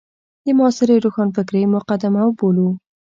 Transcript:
د معاصرې روښانفکرۍ مقدمه وبولو.